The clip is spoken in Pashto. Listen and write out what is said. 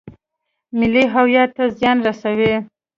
ملي هویت ته زیان رسوي.